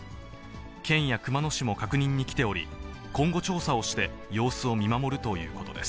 県や熊野市も確認に来ており、今後調査をして様子を見守るということです。